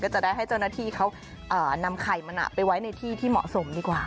จะได้ให้เจ้าหน้าที่เขานำไข่มันไปไว้ในที่ที่เหมาะสมดีกว่า